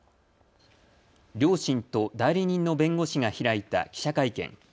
両親と代理人の弁護士が開いた記者会見。